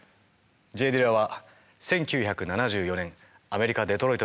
Ｊ・ディラは１９７４年アメリカ・デトロイト生まれ。